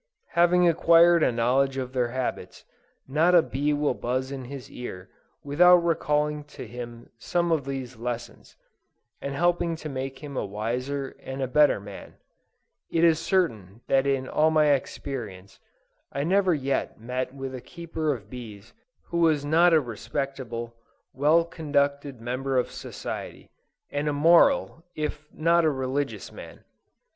Having acquired a knowledge of their habits, not a bee will buzz in his ear, without recalling to him some of these lessons, and helping to make him a wiser and a better man. It is certain that in all my experience, I never yet met with a keeper of bees, who was not a respectable, well conducted member of society, and a moral, if not a religious man.